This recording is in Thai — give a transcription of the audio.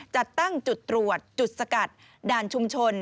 จัดตั้งจุดตรวจจุดสกัดด่านชุมชน